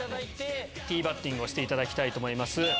ティーバッティングしていただきたいと思います。